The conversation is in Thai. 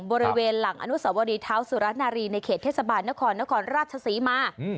บริเวณหลังอนุสวรีเท้าสุรนารีในเขตเทศบาลนครนครราชศรีมา